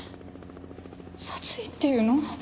殺意っていうの？